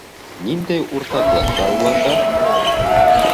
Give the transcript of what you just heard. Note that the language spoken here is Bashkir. Ниндәй уртаҡлыҡ бар уларҙа?